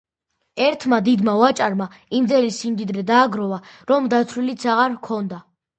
ერთმა დიდმა ვაჭარმა იმდენი სიმდიდრე დააგროვა, რომ დათვლილიც არ ჰქონდა.